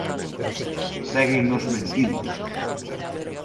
¡Séguennos mentindo!